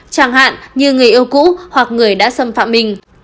chẳng hạn như người yêu cũ hoặc người đã xâm phạm mình